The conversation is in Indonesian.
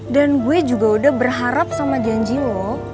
dan gue juga udah berharap sama janji lo